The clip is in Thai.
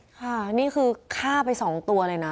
ค่ะนี่คือฆ่าไป๒ตัวเลยนะ